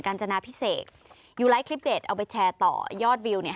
จนาพิเศษยูไลท์คลิปเด็ดเอาไปแชร์ต่อยอดวิวเนี่ย